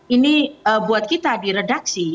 ini buat kita di redaksi